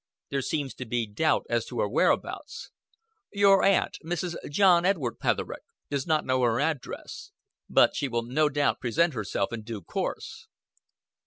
There seems to be doubt as to her whereabouts. Your aunt Mrs. John Edward Petherick does not know her address. But she will no doubt present herself in due course."